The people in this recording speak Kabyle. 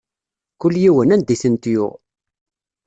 Kul yiwen, anda i tent-yuɣ.